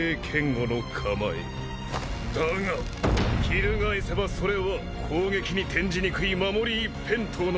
だが翻せばそれは攻撃に転じにくい守り一辺倒の構え！